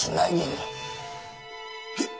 へっ！？